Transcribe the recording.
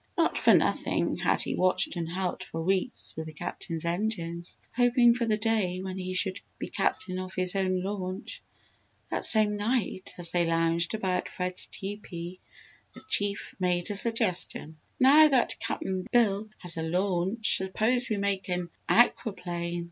Not for nothing had he watched and helped for weeks with the Captain's engines, hoping for the day when he should be captain of his own launch. That same night, as they lounged about Fred's teepee, the Chief made a suggestion. "Now that Cap'n Bill has a launch suppose we make an aqua plane?